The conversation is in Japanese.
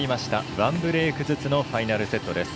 １ブレークずつのファイナルセットです。